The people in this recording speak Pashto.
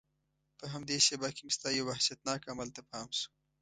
په همدې شېبه کې مې ستا یو وحشتناک عمل ته پام شو.